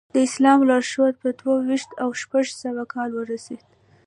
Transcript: د اسلام لارښود په دوه ویشت او شپږ سوه کال ورسېد.